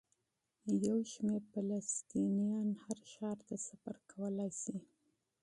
یو شمېر فلسطینیان هر ښار ته سفر کولی شي.